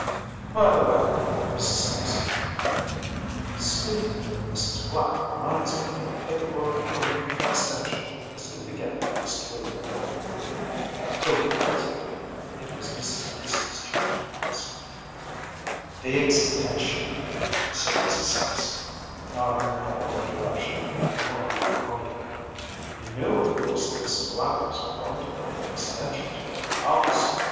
“By the way,‚ÄĚ Mrs. Sampson continued, “speaking of Mrs. Black reminds me that the work on the extension is to begin next week.‚ÄĚ “The what?‚ÄĚ it was Mrs. Manstey’s turn to ask. “The extension,‚ÄĚ said Mrs. Sampson, nodding her head in the direction of the ignored magnolia. “You knew, of course, that Mrs. Black was going to build an extension to her house?